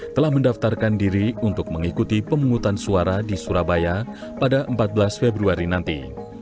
telah mendaftarkan diri untuk mengikuti pemungutan suara di surabaya pada empat belas februari nanti